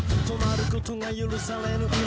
止まることが許されぬ